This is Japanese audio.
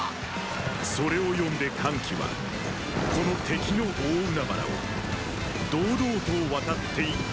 それを読んで桓騎はこの敵の大海原を堂々と渡って行ったのである。